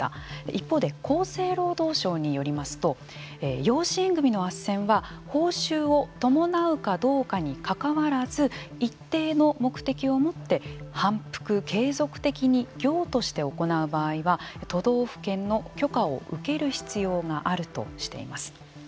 一方で厚生労働省によりますと養子縁組のあっせんは報酬を伴うかどうかにかかわらず一定の目的をもって反復継続的に業として行う場合は都道府県の許可を受ける必要があるとしています。